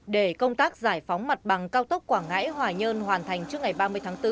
để công tác giải phóng mặt bằng cao tốc quảng ngãi hòa nhơn hoàn thành trước ngày ba mươi tháng bốn